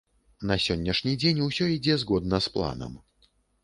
На сённяшні дзень усё ідзе згодна з планам.